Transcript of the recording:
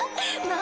何？